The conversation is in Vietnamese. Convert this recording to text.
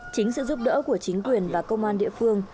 chính sự giúp đỡ của chính quyền và công an địa phương